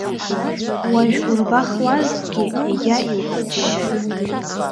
Уажә урбахуазҭгьы иагьа иухыччарын.